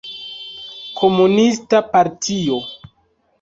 Komunista partio.